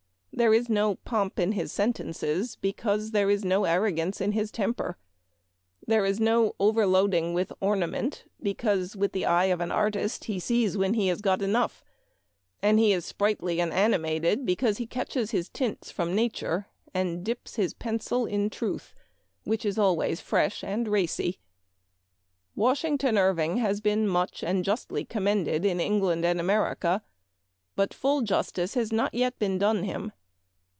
There is no pomp in his sentences, because there is no arro gance in his temper. There is no over loading with ornament, because, with the eye of an artist, he sees when he has got enough ; and he is sprightly and animated because he catches his tints from nature, and dips his pencil in truth, which is always fresh and racy. ... "Washington Irving has been much and justly commended in England and America, but full justice has not yet been done him.